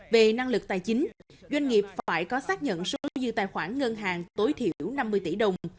về năng lực tài chính doanh nghiệp phải có xác nhận số dư tài khoản ngân hàng tối thiểu năm mươi tỷ đồng